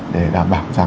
để đảm bảo